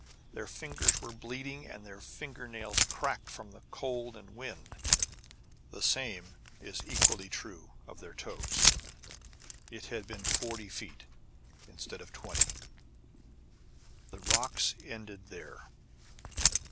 Their fingers were bleeding and their finger nails cracked from the rock and cold; the same is equally true of their toes. Had it been forty feet instead of twenty The rocks ended there.